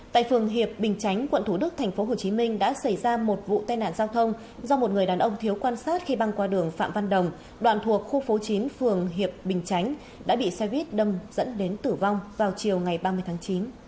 tại phường hiệp bình chánh quận thủ đức tp hcm đã xảy ra một vụ tai nạn giao thông do một người đàn ông thiếu quan sát khi băng qua đường phạm văn đồng đoạn thuộc khu phố chín phường hiệp bình chánh đã bị xe buýt đâm dẫn đến tử vong vào chiều ngày ba mươi tháng chín